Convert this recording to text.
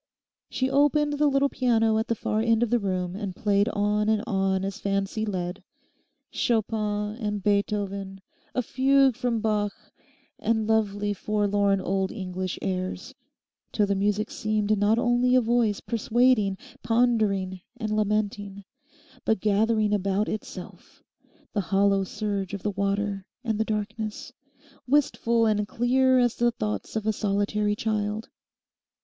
She opened the little piano at the far end of the room and played on and on as fancy led—Chopin and Beethoven, a fugue from Bach, and lovely forlorn old English airs, till the music seemed not only a voice persuading, pondering, and lamenting, but gathered about itself the hollow surge of the water and the darkness; wistful and clear, as the thoughts of a solitary child.